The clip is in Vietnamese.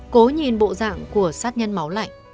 cố nhìn bộ dạng của sát nhân máu lạnh